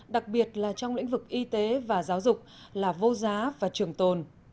đặc biệt là trong lĩnh vực y tế và giáo dục là vô giá và trường tồn